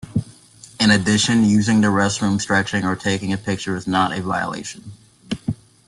In addition, using the restroom, stretching, or taking a picture is not a violation.